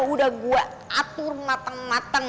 udah gue atur mateng matang